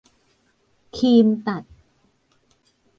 คีมตัด